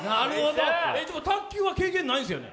でも卓球は経験ないんですよね？